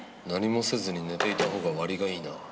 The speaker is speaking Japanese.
何もせずに寝ていた方が割りがいいな。